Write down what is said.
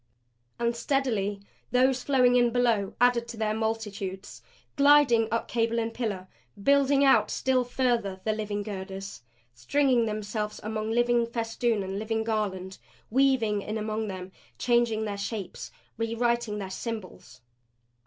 And steadily those flowing in below added to their multitudes; gliding up cable and pillar; building out still further the living girders, stringing themselves upon living festoon and living garland, weaving in among them, changing their shapes, rewriting their symbols.